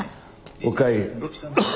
おかえり。